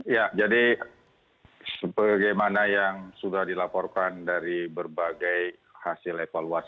ya jadi sebagaimana yang sudah dilaporkan dari berbagai hasil evaluasi